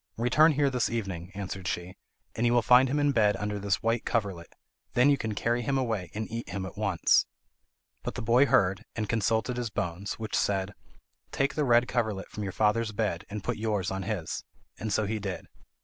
"Return here this evening," answered she, "and you will find him in bed under this white coverlet. Then you can carry him away, and eat him at once." But the boy heard, and consulted his bones, which said: "Take the red coverlet from your father's bed, and put yours on his," and so he did.